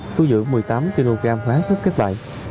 thu dưỡng một mươi tám kg hóa chất kết bại